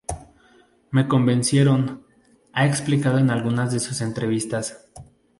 Me convencieron"" -ha explicado en algunas de sus entrevistas-.